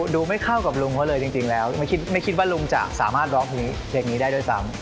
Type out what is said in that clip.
ดูไม่เข้ากับลุงเขาเลยจริงแล้วไม่คิดว่าลุงจะสามารถร้องเพลงนี้ได้ด้วยซ้ำ